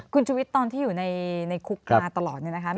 คุณชุวิตตอนที่อยู่ในคุกมาตลอดเนี่ยนะคะ